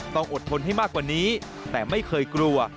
ต้องอดทนให้มากกว่านี้แต่ไม่เคยกลัว